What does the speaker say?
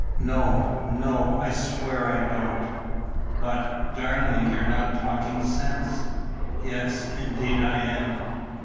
"No, no, I swear I don't!" "But, darling, you're not talking sense!" "Yes, indeed I am."